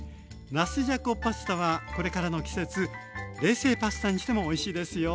なすじゃこパスタはこれからの季節冷静パスタにしてもおいしいですよ。